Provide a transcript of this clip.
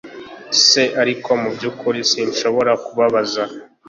se ariko mubyukuri sinshobora kubabaza